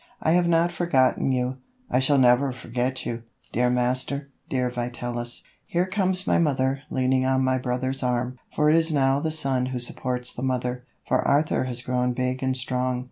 I have not forgotten you; I shall never forget you, dear master, dear Vitalis. Here comes my mother leaning on my brother's arm, for it is now the son who supports the mother, for Arthur has grown big and strong.